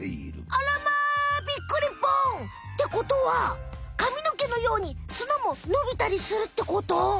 あらまびっくりぽん！ってことはかみのけのように角ものびたりするってこと？